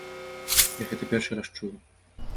Я гэта першы раз чую.